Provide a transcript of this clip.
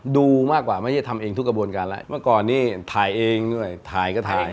ดูมากกว่าไม่ใช่ทำเองทุกกระบวนการแล้วเมื่อก่อนนี้ถ่ายเองด้วยถ่ายก็ถ่าย